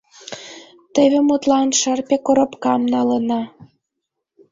Теве, мутлан, шырпе коропкам налына.